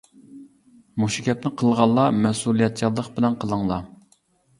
مۇشۇ گەپنى قىلغانلار مەسئۇلىيەتچانلىق بىلەن قىلىڭلار.